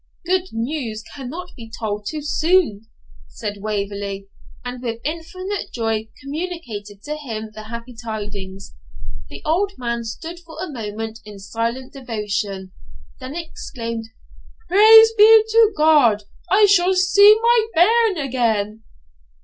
'Good news cannot be told too soon,' said Waverley; and with infinite joy communicated to him the happy tidings. The old man stood for a moment in silent devotion, then exclaimed, 'Praise be to God! I shall see my bairn again.'